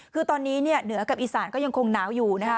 คือตอนนี้เนี่ยเหนือกับอีสานก็ยังคงหนาวอยู่นะคะ